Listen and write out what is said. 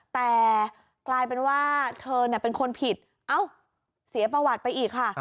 แต่กลายเป็นว่าเธอเป็นคนผิดเอ้าเสียประวัติไปอีกค่ะ